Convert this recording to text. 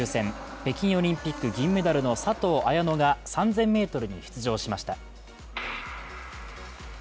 北京オリンピック銀メダルの佐藤綾乃が３０００ｍに出場しました。